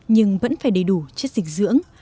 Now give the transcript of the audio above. nhưng vẫn phải đầy đủ chất dịch dưỡng